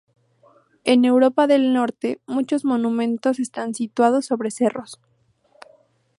En Europa del Norte, muchos monumentos están situados sobre cerros.